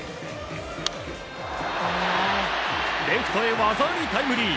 レフトへ技ありタイムリー！